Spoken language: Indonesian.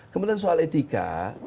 kemudian soal etika